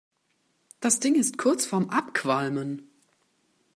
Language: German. Das Ding ist kurz vorm Abqualmen.